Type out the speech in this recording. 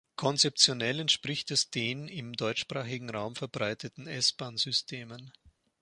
Konzeptionell entspricht es den im deutschsprachigen Raum verbreiteten S-Bahn-Systemen.